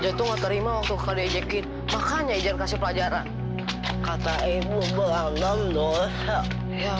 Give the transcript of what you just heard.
jatuh terima waktu kali cek it makanya jangan kasih pelajaran kata ibu beragam dosa yang